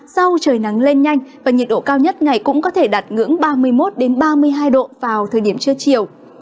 sau trời nắng lên nhanh và nhiệt độ cao nhất ngày cũng có thể đạt ngưỡng ba mươi một ba mươi hai độ vào thời điểm trưa chiều